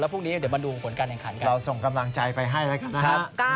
พรุ่งนี้เดี๋ยวมาดูผลการแข่งขันกันเราส่งกำลังใจไปให้แล้วกันนะครับ